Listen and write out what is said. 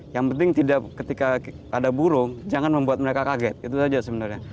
yang penting tidak ketika ada burung jangan membuat mereka kaget itu saja sebenarnya